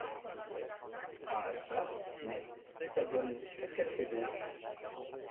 Ah çà, mais, ta bonne, qu'est-ce qu'elle fait donc ?